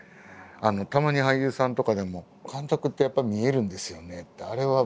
たまに俳優さんとかでも「監督ってやっぱり見えるんですよね？」